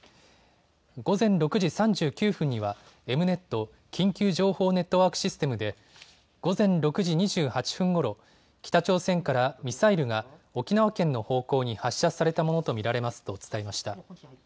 午前６時３９分にはエムネット・緊急情報ネットワークシステムで午前６時２８分ごろ、北朝鮮からミサイルが沖縄県の方向に発射されたものと見られますと伝えました。